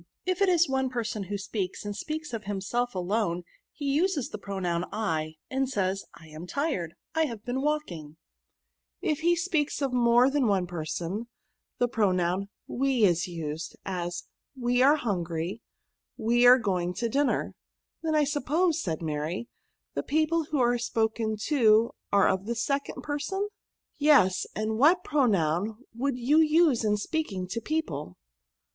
If it is one person who p 3 162 PROKOtHS. speaks^ aiid speaks of himself alone, lie uses the pronoun J, and says, / am tired, / have been walking* If he speaks of more than one person, the pronoun tve is used ; as^ tve axe hungry, we are going to dinner.'* Then, I suppose,*' said Mary, ^' the people who are spoken to are of the second person?'* Yes ; and what pronoun woidd you Use in speaking to people?'